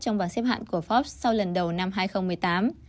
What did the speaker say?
trong bảng xếp hạng của pháp sau lần đầu năm hai nghìn một mươi tám